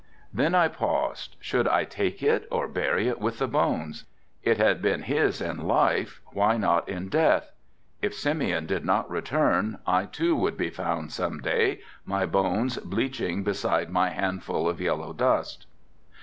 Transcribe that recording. Then I paused, should I take it or bury it with the bones? It had been his in life why not in death? If Simeon did not return I too would be found some day, my bones bleaching beside my handful of yellow dust.